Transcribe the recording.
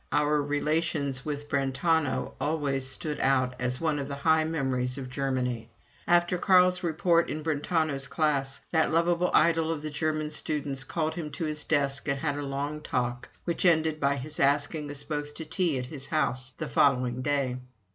Our relations' with Brentano always stood out as one of the high memories of Germany. After Carl's report in Brentano's class, that lovable idol of the German students called him to his desk and had a long talk, which ended by his asking us both to tea at his house the following day.